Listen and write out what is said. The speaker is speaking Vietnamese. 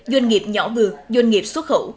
doanh nghiệp nhỏ vừa doanh nghiệp xuất khẩu